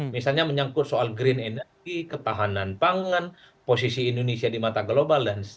misalnya menyangkut soal green energy ketahanan pangan posisi indonesia di mata global